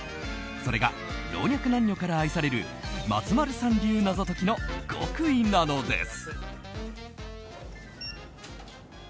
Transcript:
それが老若男女から愛される松丸さん流謎解きの極意なのです。